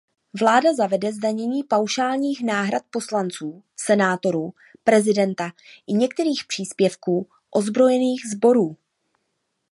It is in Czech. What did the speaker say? Vláda zavede zdanění paušálních náhrad poslanců, senátorů, prezidenta i některých příspěvků ozbrojených sborů.